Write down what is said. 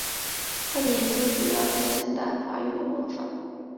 他的研究主要在现代法语的文法。